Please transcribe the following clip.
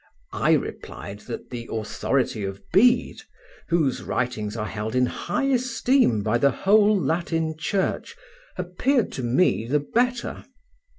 I replied that the authority of Bede, whose writings are held in high esteem by the whole Latin Church, appeared to me the better.